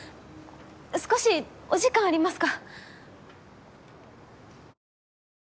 少しお時間ありますか？